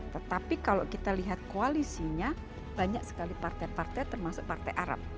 tetapi kalau kita lihat koalisinya banyak sekali partai partai termasuk partai arab